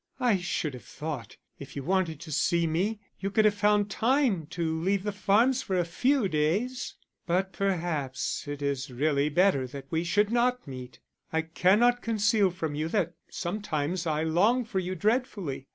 I should have thought, if you wanted to see me, you could have found time to leave the farms for a few days. But perhaps it is really better that we should not meet. I cannot conceal from you that sometimes I long for you dreadfully.